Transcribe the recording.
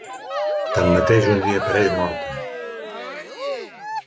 Tanmateix, un dia apareix morta.